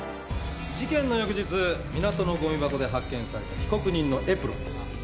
事件の翌日、港のごみ箱で発見された被告人のエプロンです。